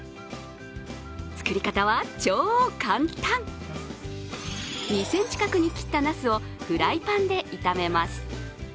作り方は超簡単、２ｃｍ角に切ったなすをフライパンで炒めます。